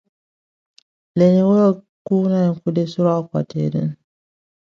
Meter calibration establishes the relationship between subject lighting and recommended camera settings.